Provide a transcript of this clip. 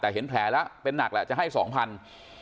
แต่เห็นแผลแล้วเป็นหนักแล้วจะให้๒๐๐๐บาท